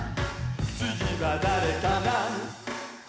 「つぎはだれかな？」